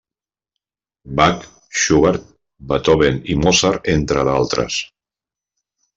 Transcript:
Bach, Schubert, Beethoven i Mozart entre altres.